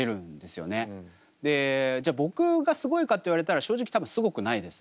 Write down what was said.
でじゃ僕がすごいかって言われたら正直多分すごくないです。